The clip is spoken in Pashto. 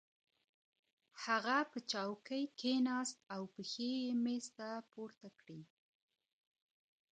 هغه په چوکۍ کېناست او پښې یې مېز ته پورته کړې